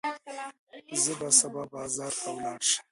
زه به سبا بازار ته ولاړ شم.